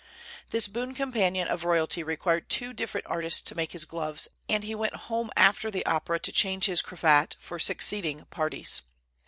This boon companion of royalty required two different artists to make his gloves, and he went home after the opera to change his cravat for succeeding parties.